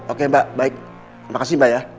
oke mbak baik terima kasih mbak ya